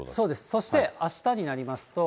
そして、あしたになりますと。